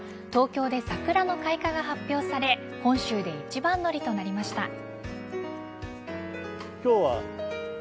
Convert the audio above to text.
東京で桜の開花が発表され本州で一番乗りとなりました。